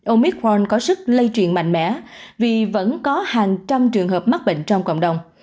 ông mick warren có sức lây truyền mạnh mẽ vì vẫn có hàng trăm trường hợp mắc bệnh trong cộng đồng